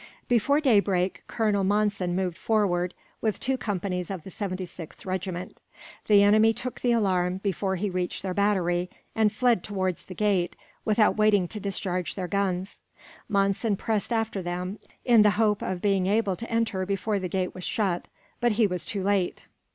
Before daybreak, Colonel Monson moved forward, with two companies of the 76th Regiment. The enemy took the alarm before he reached their battery, and fled towards the gate, without waiting to discharge their guns. Monson pressed after them, in the hope of being able to enter before the gate was shut; but he was too late.